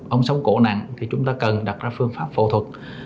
ông sống cổ nặng thì chúng ta cần đặt ra phương pháp phẫu thuật